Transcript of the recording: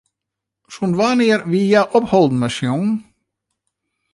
Sûnt wannear wie hja opholden mei sjongen?